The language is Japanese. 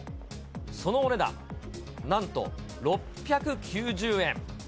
そのお値段、なんと６９０円。